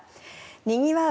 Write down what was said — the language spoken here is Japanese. にぎわう